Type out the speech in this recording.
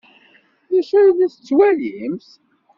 D acu ay la tettwalimt?